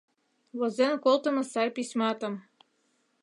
Возен колтымо сай письматым